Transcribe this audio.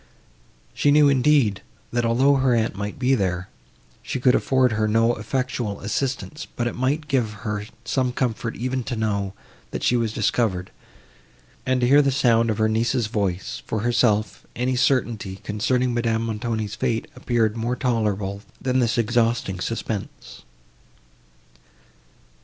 She knew, indeed, that although her aunt might be there, she could afford her no effectual assistance, but it might give her some comfort even to know, that she was discovered, and to hear the sound of her niece's voice; for herself, any certainty, concerning Madame Montoni's fate, appeared more tolerable, than this exhausting suspense.